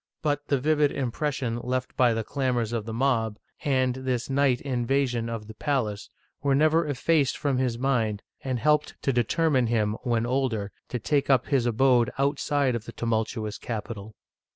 But the vivid impression left by the clamors of the mob, and this night invasion of the palace, were never effaced from his mind, and helped to determine him, when older, to take up his abode outside of the tumultuous capital.